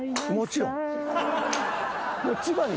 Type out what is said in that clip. もちろん。